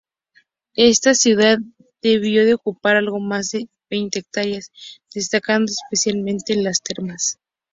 Esta ciudad debió de ocupar algo más de veinte hectáreas, destacando especialmente las termas.